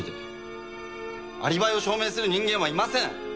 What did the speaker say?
アリバイを証明する人間はいません。